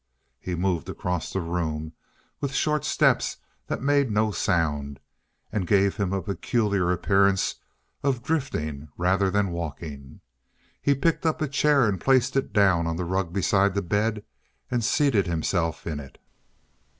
He moved across the room with short steps that made no sound, and gave him a peculiar appearance of drifting rather than walking. He picked up a chair and placed it down on the rug beside the bed and seated himself in it.